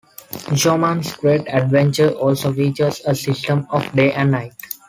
"Goemon's Great Adventure" also features a system of day and night.